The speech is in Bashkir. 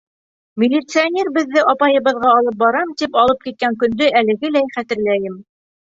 Милиционер беҙҙе апайыбыҙға алып барам тип алып киткән көндө әлегеләй хәтерләйем.